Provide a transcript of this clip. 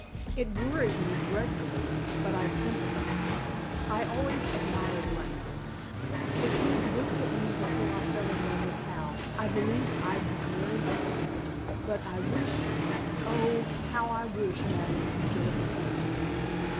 It worried me dreadfully, but I sympathized I always admired Langdon if he'd looked at me before I fell in love with Hal I believe I'd have married him but I wish, oh, how I wish, Madeleine could get a divorce."